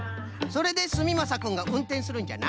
それですみまさくんがうんてんするんじゃな。